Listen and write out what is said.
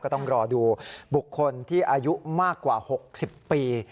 ต้องรอดูบุคคลที่อายุมากกว่า๖๐ปี